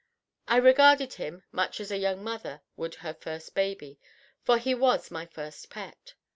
I regarded him much as a young mother would her first baby, for he was my first pet.